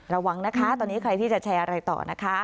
ระวังนะคะตอนนี้ใครที่จะแชร์อะไรต่อนะคะ